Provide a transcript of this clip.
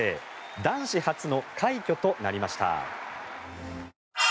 男子初の快挙となりました。